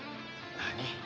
何？